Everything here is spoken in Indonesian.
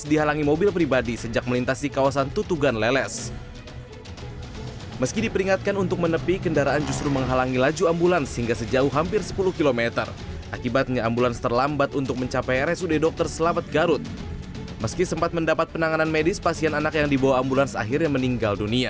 dan si mobil mulai meminggir di daerah tarogong